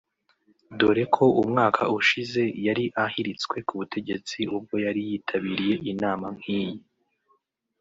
dore ko umwaka ushize yari ahiritswe ku butegetsi ubwo yari yitabiriye inama nk’iyi